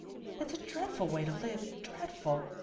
It's a dreadful way to live, dreadful!